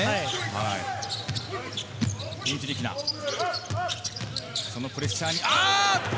ウンティリキナ、そのプレッシャーにあっと！